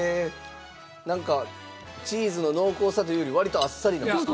なんかチーズの濃厚さというより割とあっさりなんですか？